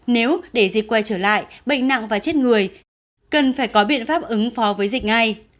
nếu để dịch quay trở lại bệnh nặng và chết người cần phải có biện pháp ứng phó với dịch ngay